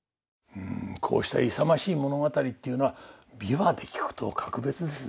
うんこうした勇ましい物語っていうのは琵琶で聴くと格別ですね。